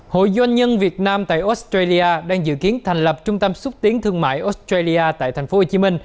hội doanh nhân việt nam tại australia đang dự kiến thành lập trung tâm xúc tiến thương mại australia tại tp hcm